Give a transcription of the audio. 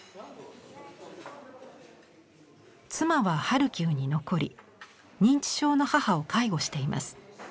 妻はハルキウに残り認知症の母を介護しています。